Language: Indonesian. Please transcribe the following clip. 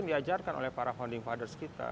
diajarkan oleh para founding fathers kita